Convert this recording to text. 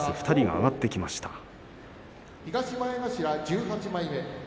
２人が上がってきました。